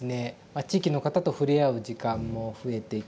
地域の方と触れ合う時間も増えていきました